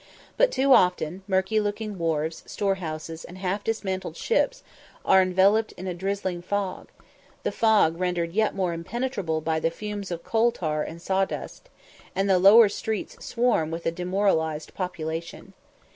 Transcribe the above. But too often, murky looking wharfs, storehouses, and half dismantled ships, are enveloped in drizzling fog the fog rendered yet more impenetrable by the fumes of coal tar and sawdust; and the lower streets swarm with a demoralised population.